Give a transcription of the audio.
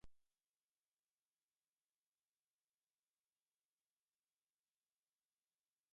Cakaudrove is governed by the Cakaudrove Provincial Council.